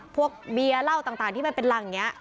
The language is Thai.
พวกเบียร่าวต่างที่มันเป็นรังเนี่ย